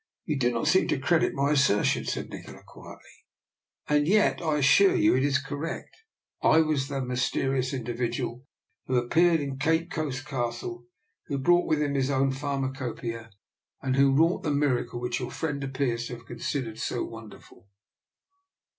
" You do not seem to credit my asser tion," said Nikola, quietly. " And yet I as sure you it is correct. I was the mysterious individual who appeared in Cape Coast Cas 52 DR. NIKOLA'S EXPERIMENT. tie, who brought with him his own pharma copoeia, and who wrought the miracle which your friend appears to have considered so wonderful."